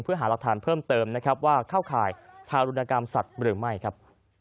เพื่อหารักฐานเพิ่มเติมนะครับว่าเข้าข่ายทารุณกรรมสัตว์หรือไม่ครับ